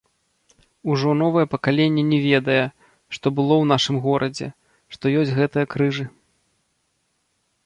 Ужо новае пакаленне не ведае, што было ў нашым горадзе, што ёсць гэтыя крыжы.